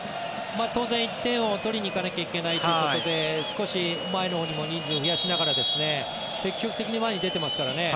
当然１点を取りに行かなきゃいけないということで少し、前のほうにも人数を増やしながら積極的に前に出てますからね。